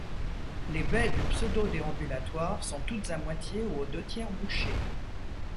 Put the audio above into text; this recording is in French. Les baies du pseudo-déambulatoire sont toutes à moitié ou aux deux tiers bouchées.